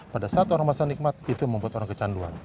pada saat orang merasa nikmat itu membuat orang kecanduan